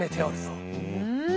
うん。